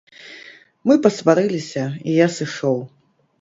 Мы пасварыліся, і я сышоў.